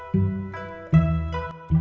gak ada apa apa